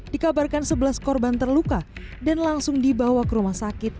dikabarkan sebelas korban terluka dan langsung dibawa ke rumah sakit